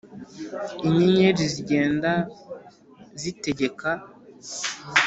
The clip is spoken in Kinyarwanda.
inyenyeri zigenda zitegeka.